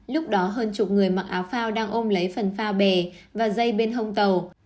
lúc đó hơn chục người mặc áo phao đang ôm lấy phần phao bề và dây bên hông tàu